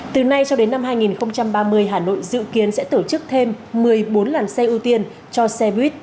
từ nay cho đến năm hai nghìn ba mươi hà nội dự kiến sẽ tổ chức thêm một mươi bốn làn xe ưu tiên cho xe buýt